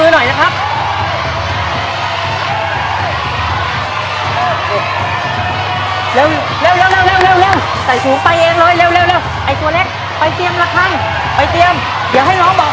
ให้ร้องให้ตัญญาเร็ว